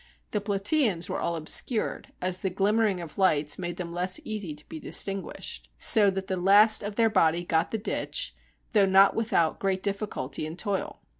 The Platasans were all obscured, as the glimmering of lights made them less easy to be distinguished; so that the last of their body got the ditch, though not without great difficulty and toil.